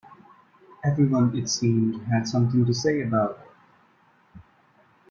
Everyone, it seemed, had something to say about it.